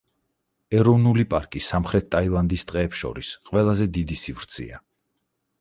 ეროვნული პარკი სამხრეთ ტაილანდის ტყეებს შორის ყველაზე დიდი სივრცეა.